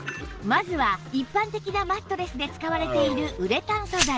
まずは一般的なマットレスで使われているウレタン素材